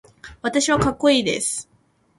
私はかっこいいです。